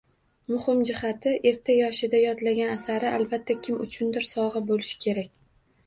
Muhim jihat: erta yoshida yodlangan asari albatta kim uchundir sovg‘a bo‘lishi kerak.